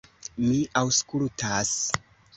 Mi aŭskultas.